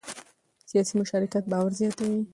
سیاسي مشارکت باور زیاتوي